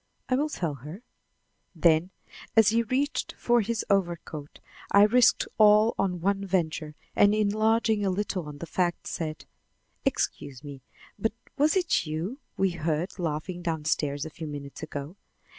"I will tell her." Then, as he reached for his overcoat, I risked all on one venture, and enlarging a little on the facts, said: "Excuse me, but was it you we heard laughing down stairs a few minutes ago?